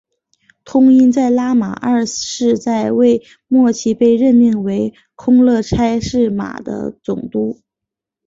通因在拉玛二世在位末期被任命为那空叻差是玛的总督。